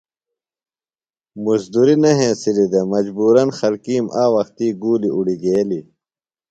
مزدُریۡ نہ ہنسلیۡ دےۡ۔ مجبورًا خلکِیم آ وختی گُولیۡ اُڑگیلیۡ۔